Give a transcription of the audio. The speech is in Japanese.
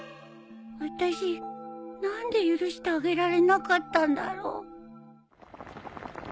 私何で許してあげられなかったんだろう